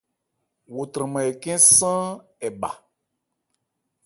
Wo tranman hɛ khɛ́n sáán ɛ bha.